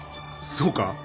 そうか？